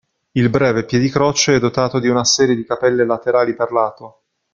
Il breve piedicroce è dotato di una serie di cappelle laterali per lato.